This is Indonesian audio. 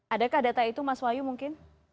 adakah data itu mas wahyu mungkin